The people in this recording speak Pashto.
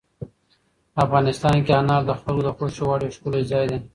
افغانستان کې انار د خلکو د خوښې وړ یو ښکلی ځای دی.